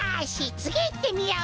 つぎいってみよう！